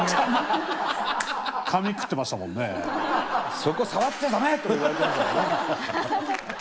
「そこ触っちゃダメ！」とか言われてましたからね。